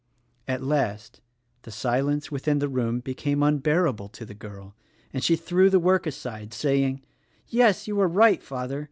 At last the silence within the room became unbearable to the girl and she threw the work aside, saying, "Yes, you are right, father!